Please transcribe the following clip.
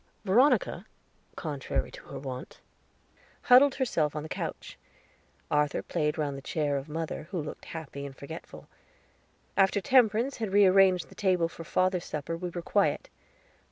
Veronica, contrary to her wont, huddled herself on the sofa. Arthur played round the chair of mother, who looked happy and forgetful. After Temperance had rearranged the table for father's supper we were quiet.